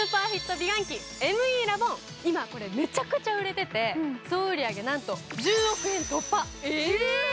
美顔器ＭＥラボン、今これめちゃくちゃ売れていて総売上なんと１０億円突破。